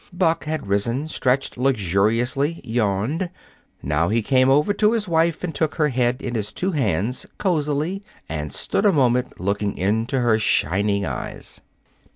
Buck had risen, stretched luxuriously, yawned. Now he came over to his wife and took her head in his two hands, cozily, and stood a moment looking into her shining eyes.